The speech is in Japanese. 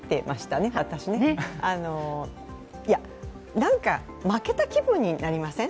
なんか負けた気分になりません？